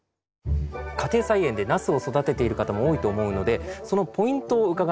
家庭菜園でナスを育てている方も多いと思うのでそのポイントを伺っていきます。